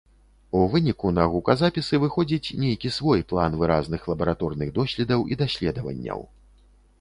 У выніку на гуказапісы выходзіць нейкі свой план выразных лабараторных доследаў і даследаванняў.